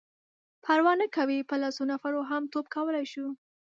_پروا نه کوي،. په لسو نفرو هم توپ کولای شو.